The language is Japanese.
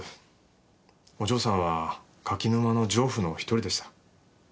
お嬢さんは柿沼の情婦の１人でした。